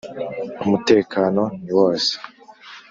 umutekano niwose.